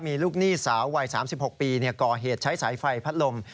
มีลูกหนี้สาววัย๓๖ปีก่อเหตุใช้สายไฟพัดลม